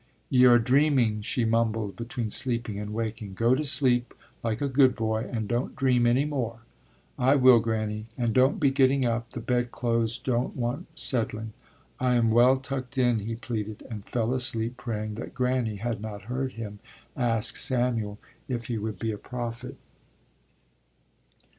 Ye are dreaming, she mumbled between sleeping and waking. Go to sleep like a good boy, and don't dream any more. I will, Granny, and don't be getting up; the bed clothes don't want settling. I am well tucked in, he pleaded; and fell asleep praying that Granny had not heard him ask Samuel if he would be a prophet.